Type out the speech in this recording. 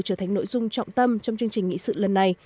trở thành nội dung trọng tâm trong chương trình nghị sự lần này